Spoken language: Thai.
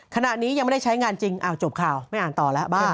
ขณะนี้ยังไม่ได้ใช้งานจริงอ้าวจบข่าวไม่อ่านต่อแล้วบ้าน